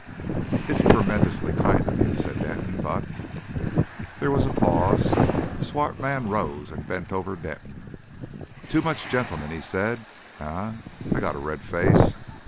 "It's tremendously kind of you," said Denton; "but " There was a pause. The swart man rose and bent over Denton. "Too much ge'man," he said "eh? I got a red face....